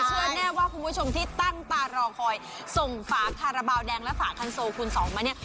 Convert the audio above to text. เชื่อแน่ว่าคุณผู้ชมที่ตั้งตารอคอยส่งฝาคาราบาลแดงและฝาคันโซคูณสองมาเนี่ย